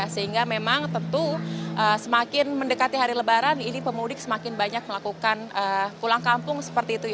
sehingga memang tentu semakin mendekati hari lebaran ini pemudik semakin banyak melakukan pulang kampung seperti itu